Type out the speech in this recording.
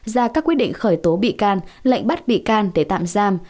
ra các quyết định khởi tố bị can lệnh bắt bị can để tạm giam